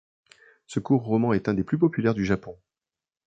Ce court roman est un des plus populaires du Japon.